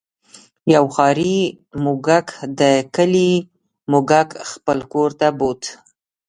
یو ښاري موږک د کلي موږک خپل کور ته بوت.